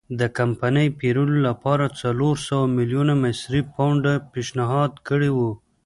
د کمپنۍ پېرلو لپاره څلور سوه میلیونه مصري پونډ پېشنهاد کړي وو.